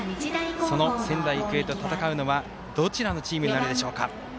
その仙台育英と戦うのはどちらのチームになるでしょうか。